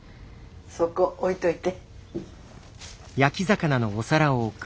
そこ置いといて。